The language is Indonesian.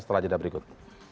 setelah jeda berikut